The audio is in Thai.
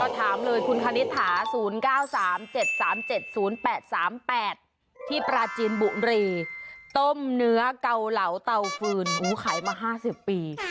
ถามเลยคุณคณิตถา๐๙๓๗๓๗๐๘๓๘ที่ปราจีนบุรีต้มเนื้อเกาเหลาเตาฟืนขายมา๕๐ปี